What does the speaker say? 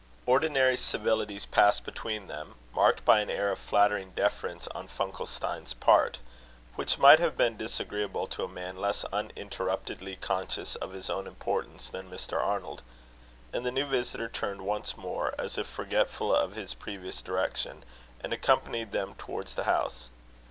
Ordinary civilities passed between them, marked by an air of flattering deference on Funkelstein's part, which might have been disagreeable to a man less uninterruptedly conscious of his own importance than Mr. Arnold; and the new visitor turned once more, as if forgetful of his previous direction, and accompanied them towards the house.